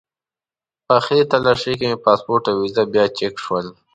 په آخري تالاشۍ کې مې پاسپورټ او ویزه بیا چک شول.